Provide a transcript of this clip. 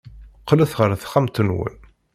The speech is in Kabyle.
Qqlet ɣer texxamt-nwen.